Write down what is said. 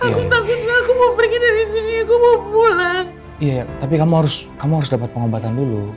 aku mau pergi dari sini aku mau pulang tapi kamu harus kamu harus dapat pengobatan dulu